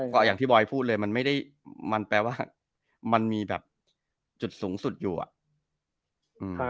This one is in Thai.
ก็อย่างที่บอยพูดเลยมันไม่ได้มันแปลว่ามันมีแบบจุดสูงสุดอยู่อ่ะอืม